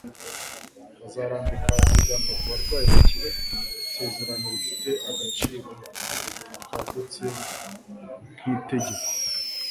bazarambika ibiganza ku barwayi bakire.» Isezerano rifite agaciro kagutse nk'itegeko.